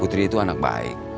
putri itu anak baik